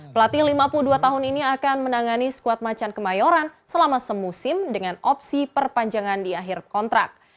pelatih lima puluh dua tahun ini akan menangani skuad macan kemayoran selama semusim dengan opsi perpanjangan di akhir kontrak